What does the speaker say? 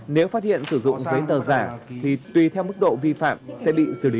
nếu phát hiện sử dụng giấy tờ giả thì tùy theo mức độ vi phạm sẽ bị xử lý